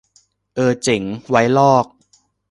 เออเจ๋ง ไว้ลอก